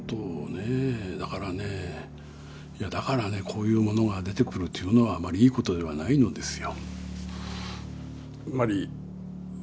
だからねだからねこういうものが出てくるというのはあまりいいことではないのですよ。